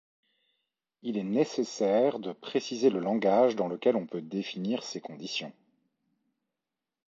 Il est nécessaire de préciser le langage dans lequel on peut définir ces conditions.